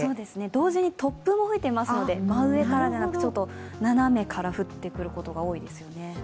同時に突風も吹いてますので、真上からでなく斜めから降ってくることが多いですよね。